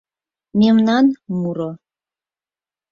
МЕМНАН МУРО